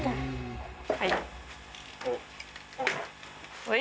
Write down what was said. はい。